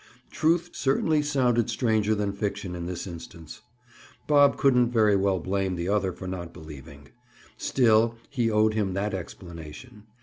Truth certainly sounded stranger than fiction in this instance. Bob couldn't very well blame the other for not believing. Still he (Bob) owed him that explanation.